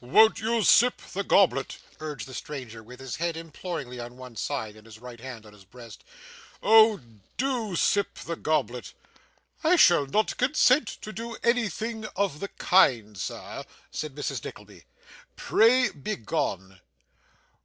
'Won't you sip the goblet?' urged the stranger, with his head imploringly on one side, and his right hand on his breast. 'Oh, do sip the goblet!' 'I shall not consent to do anything of the kind, sir,' said Mrs Nickleby. 'Pray, begone.